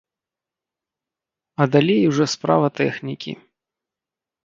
А далей ужо справа тэхнікі.